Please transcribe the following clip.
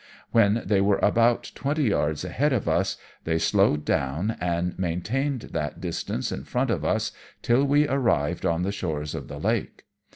When they were about twenty yards ahead of us, they slowed down, and maintained that distance in front of us till we arrived on the shores of the lake.